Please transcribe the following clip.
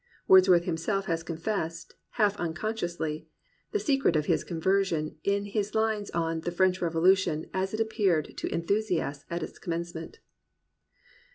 Wordsworth himself has confessed, half unconsciously, the secret of his conversion in his lines on The French Revolution as it appeared to Enthusiasts at its Commencement.